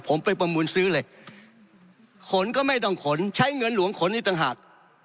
ผมไปประมูลซื้อเลยขนก็ไม่ต้องขนใช้เงินหลวงขนอีกต่างหาก